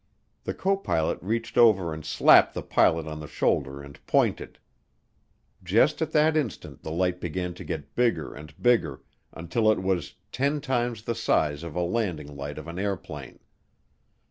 The copilot reached over and slapped the pilot on the shoulder and pointed. Just at that instant the light began to get bigger and bigger until it was "ten times the size of a landing light of an airplane."